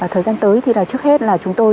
thời gian tới trước hết là chúng tôi